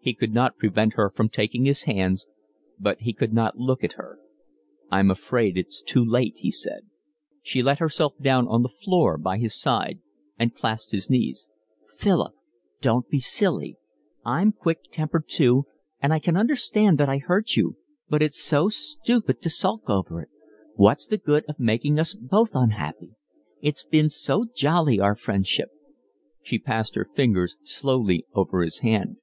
He could not prevent her from taking his hands, but he could not look at her. "I'm afraid it's too late," he said. She let herself down on the floor by his side and clasped his knees. "Philip, don't be silly. I'm quick tempered too and I can understand that I hurt you, but it's so stupid to sulk over it. What's the good of making us both unhappy? It's been so jolly, our friendship." She passed her fingers slowly over his hand.